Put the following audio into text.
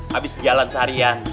habis jalan seharian